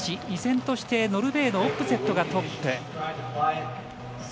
依然としてノルウェーのオップセットがトップ。